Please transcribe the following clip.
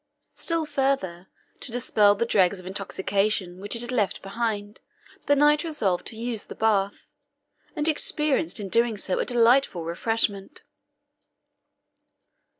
Still further to dispel the dregs of intoxication which it had left behind, the knight resolved to use the bath, and experienced in doing so a delightful refreshment.